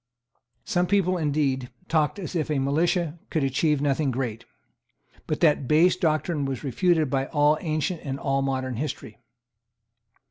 Some people indeed talked as if a militia could achieve nothing great. But that base doctrine was refuted by all ancient and all modern history.